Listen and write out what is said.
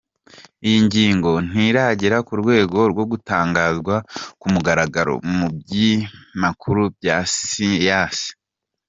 Iyi nyigo ntiragera ku rwego rwo gutangazwa ku mugaragaro mu binyamakuru bya siyansi.